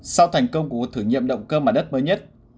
sau thành công của thử nghiệm động cơ mặt đất mới nhất